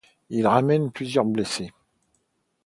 Il ramènera plusieurs blessés.